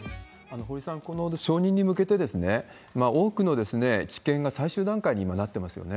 堀さん、この承認に向けて、多くの治験が最終段階に今、なっていますよね。